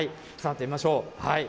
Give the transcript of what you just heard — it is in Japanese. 触ってみましょう。